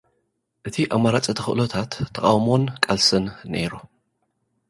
እቲ ኣማራጺ ተኽእሎታ ት፡ ተቓውሞን ቃልስን ነይሩ።